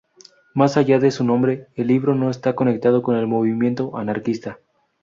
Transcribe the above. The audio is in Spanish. Más allá de su nombre, el libro no está conectado con el movimiento anarquista.